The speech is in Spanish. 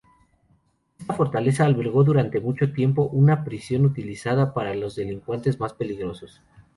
Esta fortaleza albergó durante mucho tiempo una prisión, utilizada para los delincuentes más peligrosos.